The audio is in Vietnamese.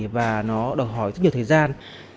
và nó đòi hỏi rất nhiều thời gian